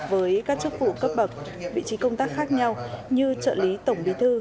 với các chức vụ cấp bậc vị trí công tác khác nhau như trợ lý tổng bí thư